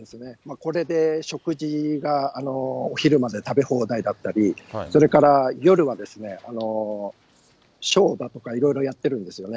これで食事がお昼まで食べ放題だったり、それから夜はショーだとかいろいろやってるんですよね。